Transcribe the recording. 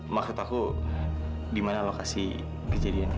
maksud aku di mana lokasi kejadian